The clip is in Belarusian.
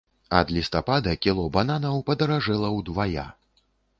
Ад лістапада кіло бананаў падаражэла ўдвая!